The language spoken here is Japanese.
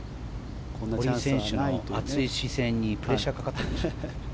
女子選手の熱い視線にプレッシャーがかかってるますね。